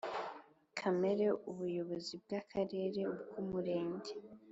Kamere Ubuyobozi bw Akarere ubw Umurenge